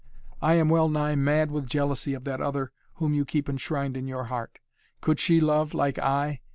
I am well nigh mad with jealousy of that other whom you keep enshrined in your heart! Could she love, like I?